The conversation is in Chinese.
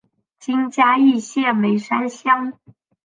今嘉义县梅山乡。